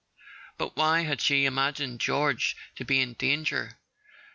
But why had she imagined George to be in danger?